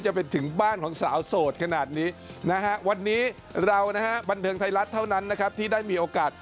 ไปถึงบ้านของสาวโสดขนาดนี้นะฮะวันนี้เรานะฮะบันเทิงไทยรัฐเท่านั้นนะครับที่ได้มีโอกาส